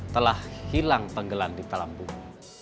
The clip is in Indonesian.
telah hilang penggelam di kampung